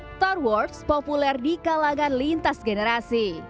star wars populer di kalangan lintas generasi